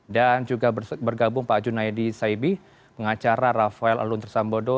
dan juga bergabung pak junayadi saibi pengacara rafael alun trisambodo